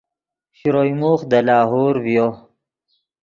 شروئے موخ دے لاہور ڤیو